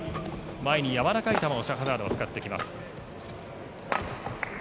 前にやわらかい球をシャハザードは使ってきます。